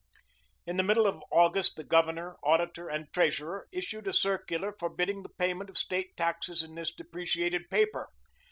In the middle of August the Governor, Auditor, and Treasurer issued a circular forbidding the payment of State taxes in this depreciated paper.